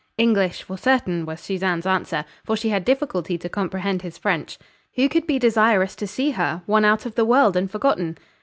English for certain, was Susanne's answer, for she had difficulty to comprehend his French. Who could be desirous to see her? One out of the world and forgotten!